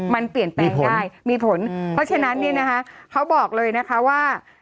มันเปลี่ยนแปลงได้มีผลเพราะฉะนั้นเนี่ยนะคะเขาบอกเลยนะคะว่า